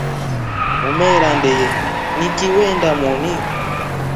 Umra ndeye nikiwenda mwoni.